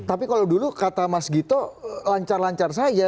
tapi kalau dulu kata mas gito lancar lancar saja